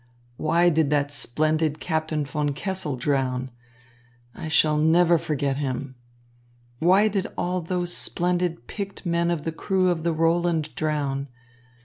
Why did that splendid Captain von Kessel drown? I shall never forget him. Why did all those splendid picked men of the crew of the Roland drown?